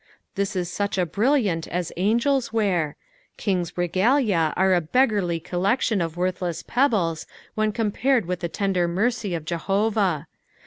This is such a briTliant as angels wear. Kings' reualia are a beggarly collection of vorthlees pebbles when compared with the tender mercy of Jehovah.